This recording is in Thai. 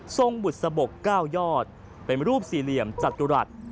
ทรงบุตรสะบกเก้ายอดเป็นรูปสี่เหลี่ยมจัดตุรัส